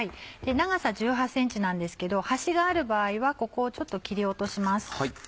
長さ１８ｃｍなんですけど端がある場合はここをちょっと切り落とします。